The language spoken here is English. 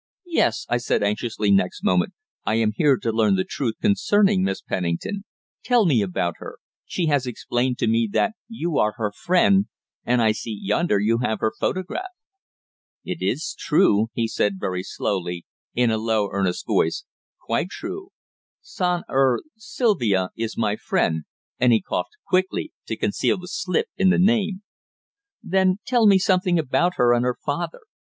"Yes," I said anxiously next moment, "I am here to learn the truth concerning Miss Pennington. Tell me about her. She has explained to me that you are her friend and I see, yonder, you have her photograph." "It is true," he said very slowly, in a low, earnest voice, "quite true, Son er, Sylvia is my friend," and he coughed quickly to conceal the slip in the name. "Then tell me something about her, and her father.